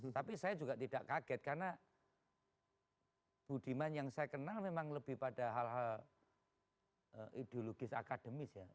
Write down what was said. tapi saya juga tidak kaget karena budiman yang saya kenal memang lebih pada hal hal ideologis akademis ya